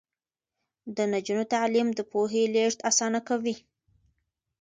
د نجونو تعلیم د پوهې لیږد اسانه کوي.